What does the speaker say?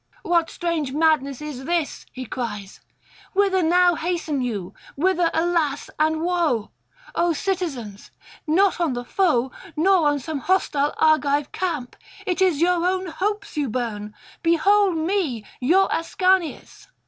'What strange madness is this?' he cries; 'whither now hasten you, whither, alas and woe! O citizens? not on the foe nor on some hostile Argive camp; it is your own hopes you burn. Behold me, your Ascanius!'